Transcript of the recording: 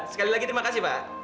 sekali lagi terima kasih pak